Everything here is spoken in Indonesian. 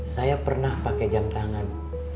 saya pernah pakai jam tangan